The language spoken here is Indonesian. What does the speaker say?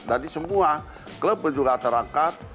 jadi semua klub pun juga terangkat